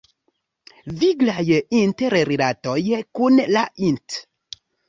Viglaj interrilatoj kun la int.